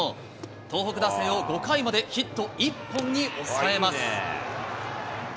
東北打線を５回までヒット１本に抑えます。